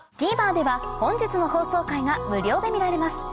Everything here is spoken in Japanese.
ＴＶｅｒでは本日の放送回が無料で見られます